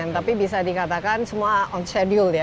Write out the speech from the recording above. tapi bisa dikatakan semua on schedule ya